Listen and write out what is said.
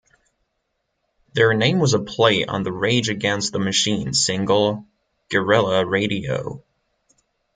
Their name was a play on the Rage Against the Machine single "Guerrilla Radio".